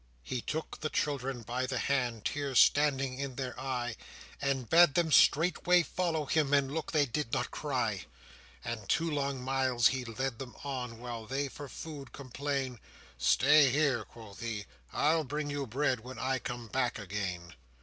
He took the children by the hand, Tears standing in their eye, And bade them straightway follow him, And look they did not cry; And two long miles he led them on, While they for food complain: "Stay here," quoth he, "I'll bring you bread, When I come back again."